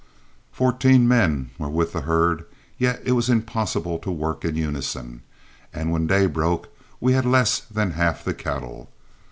Fourteen men were with the herd, yet it was impossible to work in unison, and when day broke we had less than half the cattle.